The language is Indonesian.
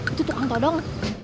itu tukang todong